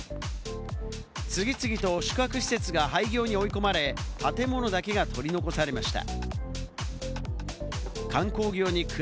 次々と宿泊施設が廃業に追い込まれ、建物だけが取り残されました。